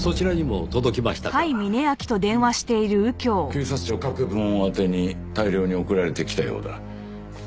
警察庁各部門宛てに大量に送られてきたようだ。